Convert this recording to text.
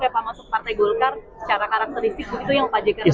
tapi kalau pak masuk partai golkar secara karakteristik itu yang pajaknya